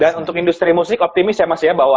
dan untuk industri musik optimis ya mas ya bahwa